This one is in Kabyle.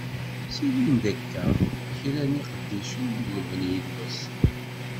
Ttilin-d akka kra n yiqeddicen n lebni deg-s.